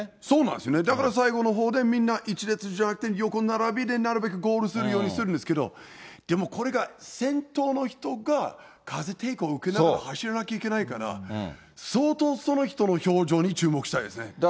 そうなんですね、だから最後のほうで、みんな一列じゃなくて、横並びでなるべくゴールするようにするんですけど、でも、これが先頭の人が風抵抗受けながら走らなきゃいけないから、相当その人の表情に注目したいですね。